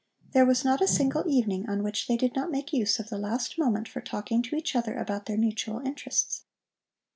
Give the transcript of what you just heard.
There was not a single evening on which they did not make use of the last moment for talking to each other about their mutual interests.